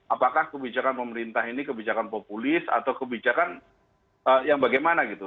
apakah kebijakan pemerintah ini kebijakan populis atau kebijakan yang bagaimana gitu